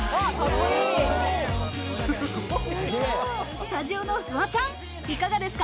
スタジオのフワちゃん、いかがですか？